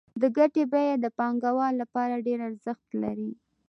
د ګټې بیه د پانګوال لپاره ډېر ارزښت لري